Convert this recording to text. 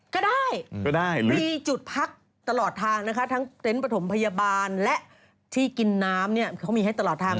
ก็ได้มีจุดพักตลอดทางนะคะทั้งเต็นต์ประถมพยาบาลและที่กินน้ำเนี่ยเขามีให้ตลอดทาง